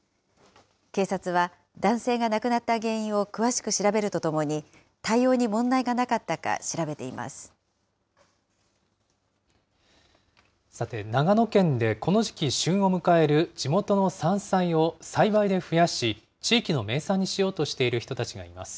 警察は、男性が亡くなった原因を詳しく調べるとともに、対応に問さて、長野県でこの時期、旬を迎える地元の山菜を栽培で増やし、地域の名産にしようとしている人たちがいます。